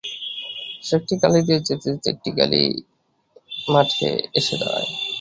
সে একটি গলি দিয়ে যেতে যেতে একটি খালি মাঠে এসে দাঁড়ায়।